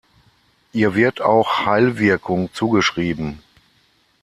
Ihr wird auch Heilwirkung zugeschrieben.